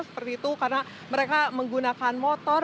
seperti itu karena mereka menggunakan motor